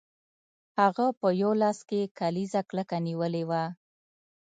هغه په یو لاس کې کلیزه کلکه نیولې وه